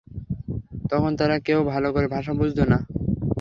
তখন তারা কেউ কারো ভাষা বুঝত না।